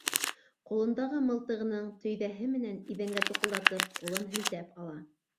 Ҡулындағы мылтығының төйҙәһе менән иҙәнгә туҡылдатып, ҡулын һелтәп ала.